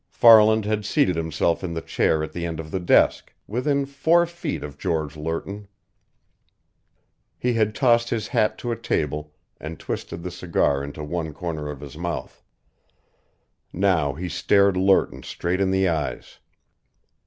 Farland had seated himself in the chair at the end of the desk, within four feet of George Lerton. He had tossed his hat to a table and twisted the cigar into one corner of his mouth. Now he stared Lerton straight in the eyes.